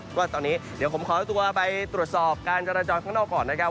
เพราะว่าตอนนี้เดี๋ยวผมขอตัวไปตรวจสอบการจราจรข้างนอกก่อนนะครับ